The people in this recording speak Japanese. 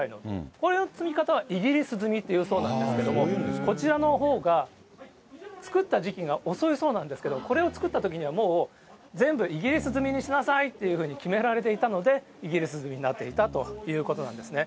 こういう積み方はイギリス積みっていうそうなんですけども、こちらのほうが作った時期が遅いそうなんですが、これを作ったときにはもう、全部イギリス積みにしなさいというふうに決められていたので、イギリス積みになっていたということなんですね。